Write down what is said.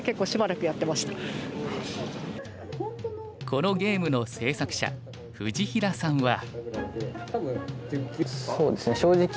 このゲームの制作者藤平さんは。